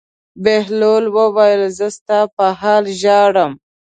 بهلول وویل: زه ستا په حال ژاړم.